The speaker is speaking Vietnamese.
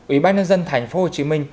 ủy ban nhân dân thành phố hồ chí minh